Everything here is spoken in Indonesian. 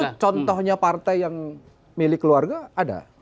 itu contohnya partai yang milik keluarga ada